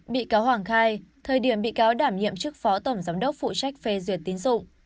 bị cáo hoàng khai thời điểm bị cáo đảm nhiệm chức phó tổng giám đốc phụ trách phê duyệt tín dụng